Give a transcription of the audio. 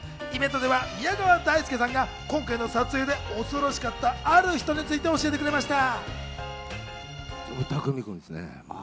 イベントでは宮川大輔さんが今回の撮影で恐ろしかったある人について教えてくれました。